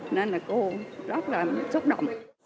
nên là cô rất là xúc động